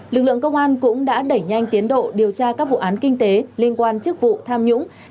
lực lượng công an cũng đã đẩy nhanh tiến độ điều tra các vụ án kinh tế liên quan chức vụ tham nhũng